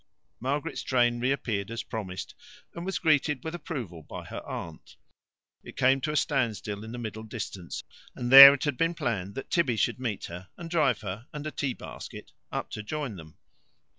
Margaret's train reappeared as promised, and was greeted with approval by her aunt. It came to a standstill in the middle distance, and there it had been planned that Tibby should meet her, and drive her, and a tea basket, up to join them.